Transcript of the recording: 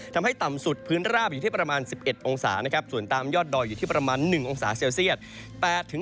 ทำให้ต่ำสุดพื้นราบอยู่ที่ประมาณ๑๑องศานะครับส่วนตามยอดดอยอยู่ที่ประมาณ๑องศาเซลเซียต